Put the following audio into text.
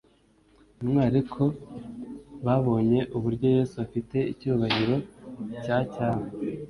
b'intwari ariko babonye uburyo Yesu afite icyubahiro cya cyami,